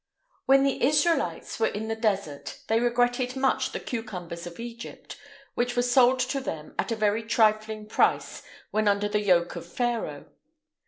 When the Israelites were in the Desert they regretted much the cucumbers of Egypt, which were sold to them at a very trifling price when under the yoke of Pharaoh.